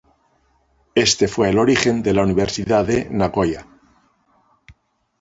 Este fue el origen de la Universidad de Nagoya.